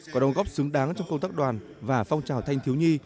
có đồng góp xứng đáng trong công tác đoàn và phong trào thanh thiếu nhi